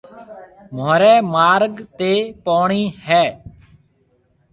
مهوريَ مارگ تي پوڻِي هيَ۔